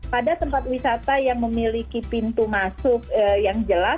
pada tempat wisata yang memiliki pintu masuk yang jelas